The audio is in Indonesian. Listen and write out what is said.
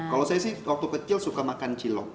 kalau saya sih waktu kecil suka makan cilok